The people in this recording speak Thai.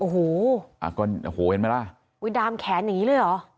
โอ้โหอ่าก็โอ้โหเห็นไหมล่ะอุ้ยดามแขนอย่างนี้เลยเหรอ